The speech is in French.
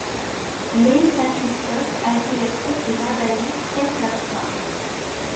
Lay-Saint-Christophe a été le site d'une abbaye très florissante.